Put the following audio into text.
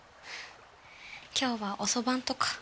今日は遅番とか。